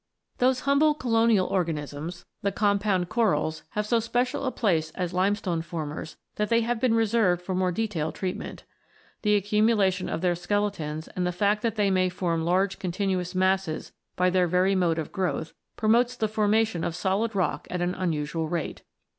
Those humble colonial organisms, the compound n] THE LIMESTONES 25 corals, have so special a place as limestone formers that they have been reserved for more detailed treat ment. The accumulation of their skeletons, and the fact that they may form large continuous masses by their very mode of growth, promotes the formation of solid rock at an unusual rate.